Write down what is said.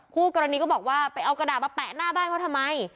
คู่กรณีก็บอกว่าไปเอากระดาษมาแปะหน้าบ้านเขาทำไม